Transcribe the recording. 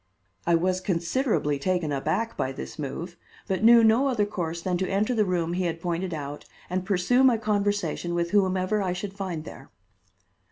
I was considerably taken aback by this move, but knew no other course than to enter the room he had pointed out and pursue my conversation with whomever I should find there.